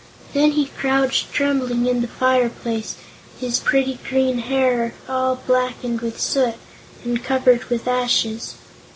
Then he crouched trembling in the fireplace, his pretty green hair all blackened with soot and covered with ashes.